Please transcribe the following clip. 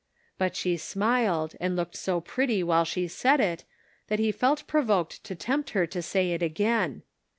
But she smiled, and looked so pretty while she said it, that he felt provoked to tempt her to say it again.